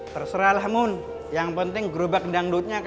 terserahlah mumun yang penting gerobak dangdutnya ke sana